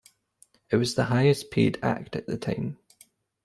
It was the highest paid act at the time.